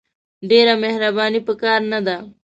ډېره مهرباني په کار نه ده !